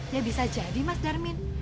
ya bisa jadi mas darmin